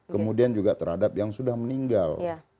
kemudian juga terhadap yang sudah meninggal